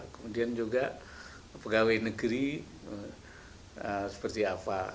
kemudian juga pegawai negeri seperti apa